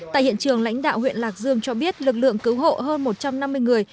tại hiện trường lãnh đạo huyện lạc dương cho biết lực lượng cứu hộ hơn một trăm năm mươi người